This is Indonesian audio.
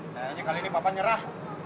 kayaknya kali ini papa nyerah